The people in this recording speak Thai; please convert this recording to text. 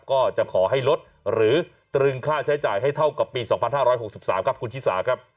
ก็จะขอให้ลดหรือตรึงค่าใช้จ่ายให้เท่ากับปี๒๕๖๓ครับคุณชิสาครับ